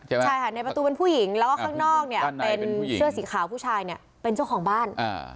ใช่ค่ะในประตูเป็นผู้หญิงแล้วก็ข้างนอกเนี่ยเป็นเสื้อสีขาวผู้ชายเนี่ยเป็นเจ้าของบ้าน